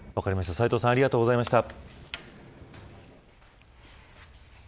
斉藤さんありがとうございました。